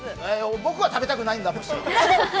僕は食べたくないんだ、虫。